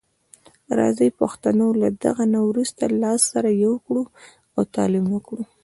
راځي پښتنو له دغه نه وروسته لاس سره یو کړو او تعلیم وکړو.